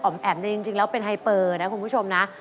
อ๋อมแอ๋มจริงแล้วเป็นฮาย้เบอร์นะคุณผู้ชมนะ